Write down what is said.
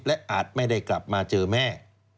และอาจไม่ได้กลับมาเจอแม่